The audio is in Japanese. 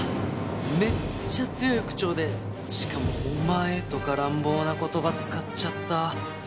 めっちゃ強い口調でしかも「お前」とか乱暴な言葉使っちゃった。